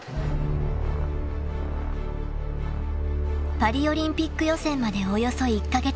［パリオリンピック予選までおよそ１カ月半］